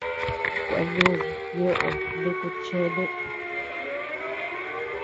Kueanúd ñoʼö nuku cheene.